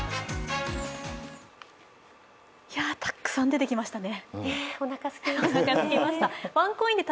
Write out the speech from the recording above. いや、たくさん出てきましたね。